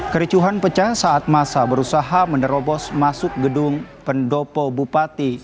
kericuhan pecah saat masa berusaha menerobos masuk gedung pendopo bupati